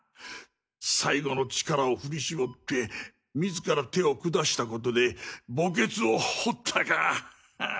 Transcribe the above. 最後の力を振りしぼって自ら手を下したことで墓穴を掘ったか！